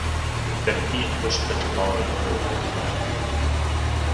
The defeat pushed the Triballi further to the east.